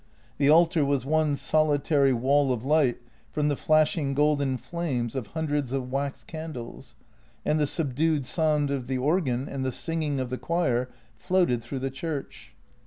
The altar was one solitary wall of light from the flashing golden flames of hundreds of wax candles, and the subdued sound of the organ and the singing of the choir floated through the church.